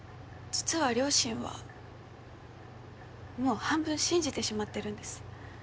実は両親はもう半分信じてしまってるんです。